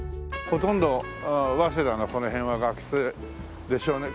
ほとんど早稲田のこの辺は学生でしょうね。